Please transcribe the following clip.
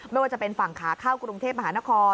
ไม่ว่าจะเป็นฝั่งขาเข้ากรุงเทพมหานคร